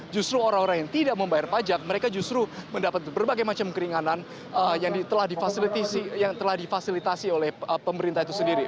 justru orang orang yang tidak membayar pajak mereka justru mendapat berbagai macam keringanan yang telah difasilitasi oleh pemerintah itu sendiri